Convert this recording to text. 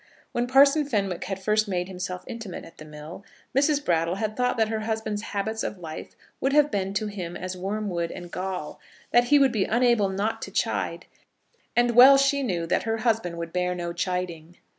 When Parson Fenwick had first made himself intimate at the mill Mrs. Brattle had thought that her husband's habits of life would have been to him as wormwood and gall, that he would be unable not to chide, and well she knew that her husband would bear no chiding.